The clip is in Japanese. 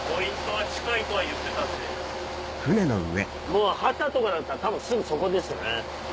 もうハタとかだったらたぶんすぐそこですよね。